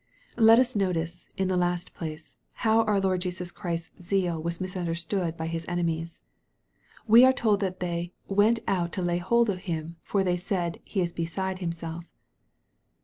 Let us notice, in the last place, how our Lord Jesus Chrises zeal was misunderstood by His enemies. We are told that they "went out to lay hold of him, for they said, he is beside himself."